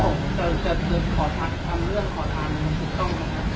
แต่เธอจะขอทำเรื่องขอทานถูกต้องหรือครับ